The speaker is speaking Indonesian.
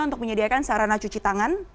untuk menyediakan sarana cuci tangan